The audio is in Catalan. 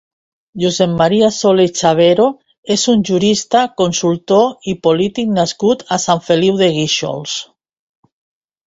Josep Maria Solé i Chavero és un jurista, consultor i polític nascut a Sant Feliu de Guíxols.